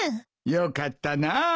よかったなぁ。